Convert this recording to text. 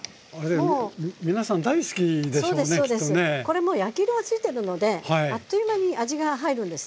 これもう焼き色がついてるのであっという間に味が入るんですね。